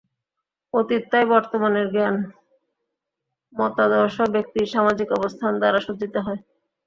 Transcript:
অতীত তাই বর্তমানের জ্ঞান, মতাদর্শ, ব্যক্তির সামাজিক অবস্থান দ্বারা সজ্জিত হয়।